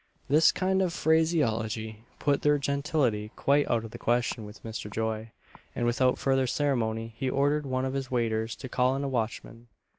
This kind of phraseology put their gentility quite out of the question with Mr. Joy, and without further ceremony he ordered one of his waiters to call in a watchman.